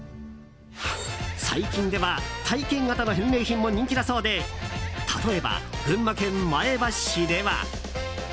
最近では体験型の返礼品も人気だそうで例えば、群馬県前橋市では。